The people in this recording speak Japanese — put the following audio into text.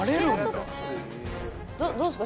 どうですか？